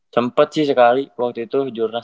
sempet sih sekali waktu itu jurnas empat belas